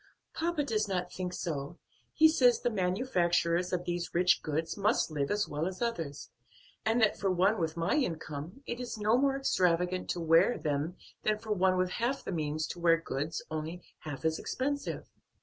"Papa does not think so; he says the manufacturers of these rich goods must live as well as others, and that for one with my income, it is no more extravagant to wear them than for one with half the means to wear goods only half as expensive."